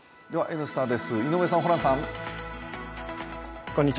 「Ｎスタ」です、井上さん、ホランさん。